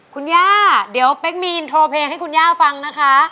คุณย่าเดี๋ยวเป๊กมีอินโทรเพลงให้คุณย่าฟังนะคะ